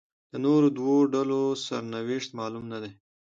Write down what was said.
د نورو دوو ډلو سرنوشت معلوم نه دی.